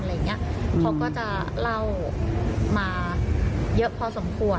เขาก็จะเล่ามาเยอะพอสมควร